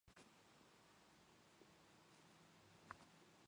論語に、「子、川のほとりに在りていわく、逝く者はかくの如きかな、昼夜をおかず」とあります